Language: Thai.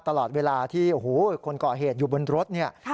ตลอดเวลาที่โอ้โหคนก่อเหตุอยู่บนรถเนี่ย